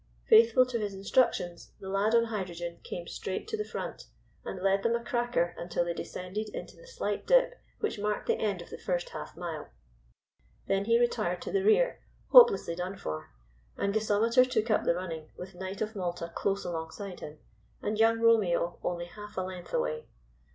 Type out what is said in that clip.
Faithful to his instructions, the lad on Hydrogen came straight to the front, and led them a cracker until they descended into the slight dip which marked the end of the first half mile. Then he retired to the rear, hopelessly done for, and Gasometer took up the running, with Knight of Malta close alongside him, and Young Romeo only half a length away.